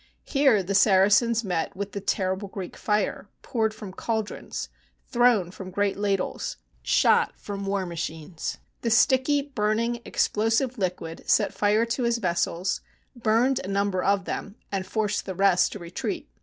Here the Saracens met with the terrible Greek fire, poured from caldrons, thrown from great ladles, shot from war machines. The sticky, burning, explosive liquid set fire to his vessels, burned a number of them, and forced the rest to retreat.